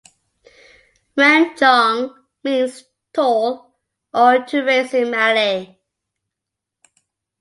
"Renjong" means "tall' or "to raise" in Malay.